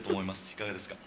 いかがですか？